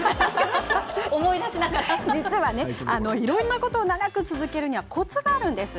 実は、いろいろなことを長く続けるにはコツがあるんです。